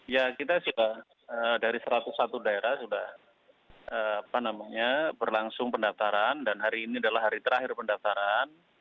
ya kita sudah dari satu ratus satu daerah sudah berlangsung pendaftaran dan hari ini adalah hari terakhir pendaftaran